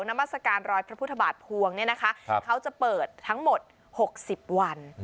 นมสการรอยพระพุทธบาทภวงเนี่ยนะคะก็จะเปิดทั้งหมดหกสิบวัน